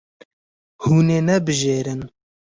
Hûn ê nebijêrin.